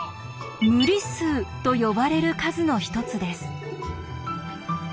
「無理数」と呼ばれる数の一つです。